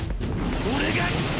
俺が！